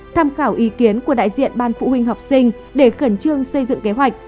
tham khảo ý kiến của đại diện ban phụ huynh học sinh để khẩn trương xây dựng kế hoạch